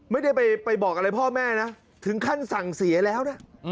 ไม่ได้ไปบอกอะไรพ่อแม่นะถึงขั้นสั่งเสียแล้วนะ